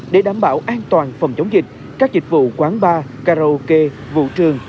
để đảm bảo an toàn phòng chống dịch các dịch vụ quán bar karaoke vụ trường